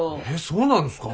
そうなんですか？